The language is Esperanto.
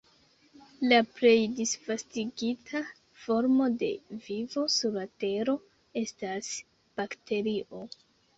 La plej disvastigita formo de vivo sur la Tero estas bakterio.